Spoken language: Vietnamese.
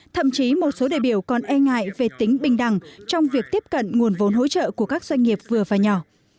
thậm chí một số đại biểu còn e ngại về tính bình đẳng trong việc tiếp cận nguồn vốn hỗ trợ của các doanh nghiệp vừa và nhỏ